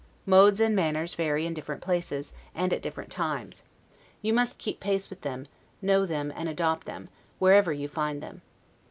Modes and manners vary in different places, and at different times; you must keep pace with them, know them, and adopt them, wherever you find them.